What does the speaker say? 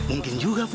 mungkin juga bu